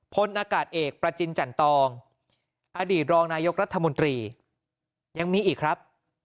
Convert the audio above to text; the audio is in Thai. พลอากาศเอกประจินจันตองอดีตรองนายกรัฐมนตรียังมีอีกครับ